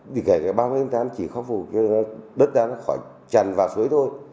vì cái ba mươi tháng tám chỉ khóc vụ đất đá nó khỏi tràn vào suối thôi